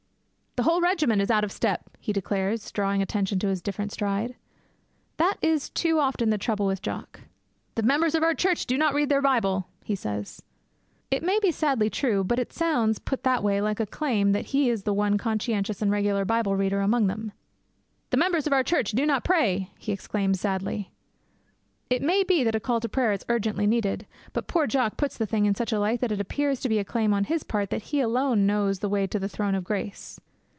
'The whole regiment is out of step!' he declares, drawing attention to his different stride. That is too often the trouble with Jock. 'The members of our Church do not read the Bible!' he says. It may be sadly true; but it sounds, put in that way, like a claim that he is the one conscientious and regular Bible reader among them. 'The members of our Church do not pray!' he exclaims sadly. It may be that a call to prayer is urgently needed; but poor Jock puts the thing in such a light that it appears to be a claim on his part that he alone knows the way to the Throne of Grace.